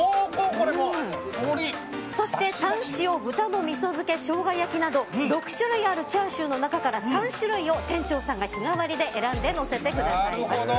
タン塩、そしてショウガ焼きなど６種類あるチャーシューの中から３種類を店長さんが日替わりで選んでのせてくださいます。